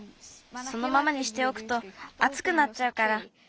そのままにしておくとあつくなっちゃうから。